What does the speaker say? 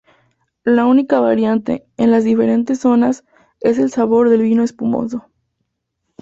La única variante, en las diferentes zonas, es el sabor del vino espumoso.